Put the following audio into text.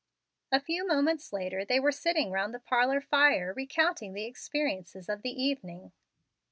A few moments later they were sitting round the parlor fire, recounting the experiences of the evening.